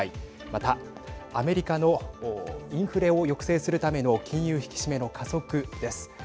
また、アメリカのインフレを抑制するための金融引き締めの加速です。